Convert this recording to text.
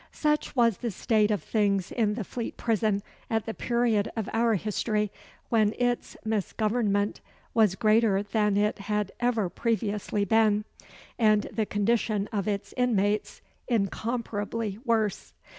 Such was the state of things in the Fleet Prison at the period of our history, when its misgovernment was greater than it had ever previously been, and the condition of its inmates incomparably worse.